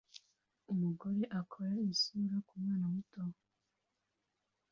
Umugore akora isura kumwana muto